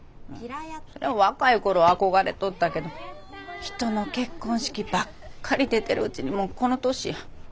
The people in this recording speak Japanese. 若い頃は憧れとったけど人の結婚式ばっかり出てるうちにもうこの年や。